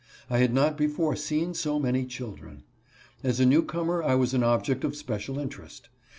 I had not before seen so many children. As a new comer I was an object of special interest.